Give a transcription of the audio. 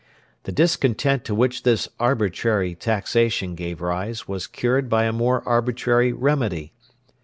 The discontent to which this arbitrary taxation gave rise was cured by a more arbitrary remedy.